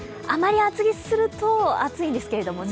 あまり厚着すると暑いんですけど